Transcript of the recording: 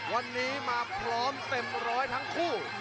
วันนี้มาพร้อมเต็มร้อยทั้งคู่